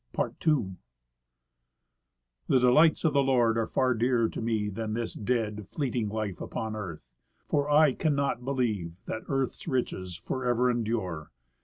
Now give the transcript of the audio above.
i: "^ 3 Part II The delights of the Lord are far dearer to me than this dead, Fleeting life upon earth, for I can not believe that earth's riches Forever endure.